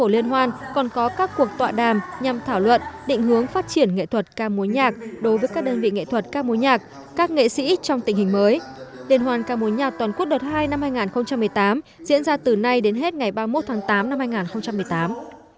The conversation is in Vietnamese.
liên hoan ca mối nhạc toàn quốc đợt hai năm hai nghìn một mươi tám diễn ra từ nay đến hết ngày ba mươi một tháng tám năm hai nghìn một mươi tám